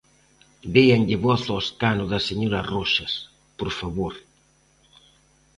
Déanlle voz ao escano da señora Roxas, por favor.